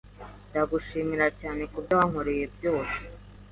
Ndagushimira cyane kubyo wankoreye byose.